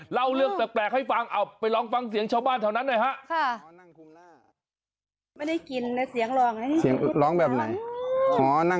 เล่าเรื่องแปลกให้ฟังเอ้าไปลองฟังเสียงชาวบ้านเถอะนะ